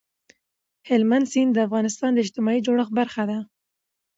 هلمند سیند د افغانستان د اجتماعي جوړښت برخه ده.